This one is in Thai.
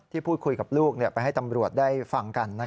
พูดคุยกับลูกไปให้ตำรวจได้ฟังกัน